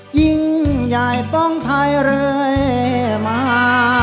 ยิ่งใหญ่ป้องไทยเรื่อยมา